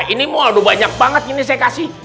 ini aduh banyak banget ini saya kasih